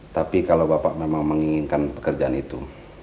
tapi kalau bapak memang menginginkan pekerjaan itu